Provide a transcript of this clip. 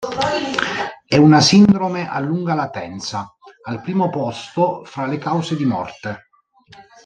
È una sindrome a lunga latenza, al primo posto fra le cause di morte.